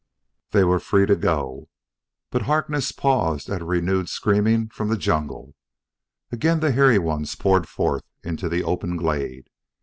They were free to go, but Harkness paused at a renewed screaming from the jungle. Again the hairy ones poured forth into the open glade.